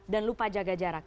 dan lupa jaga jarak